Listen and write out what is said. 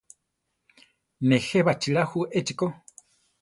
Nejé baʼchíla ju echi ko.